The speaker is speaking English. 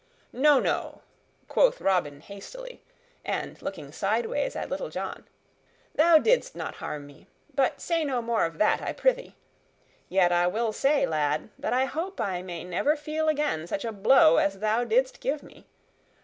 "No, no," quoth Robin hastily, and looking sideways at Little John, "thou didst not harm me. But say no more of that, I prythee. Yet I will say, lad, that I hope I may never feel again such a blow as thou didst give me.